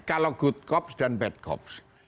kalau good cop dan bad cop